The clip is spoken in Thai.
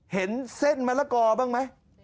เห็นเส้นมะละกอบ้างไหม